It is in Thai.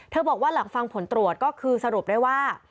บอกว่าหลังฟังผลตรวจก็คือสรุปได้ว่า